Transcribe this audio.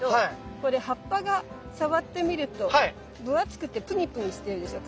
これ葉っぱが触ってみると分厚くてプニプニしてるでしょ。